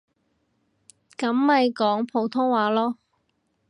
噉咪講普通話囉